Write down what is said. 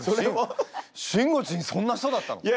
しんごちんそんな人だったの？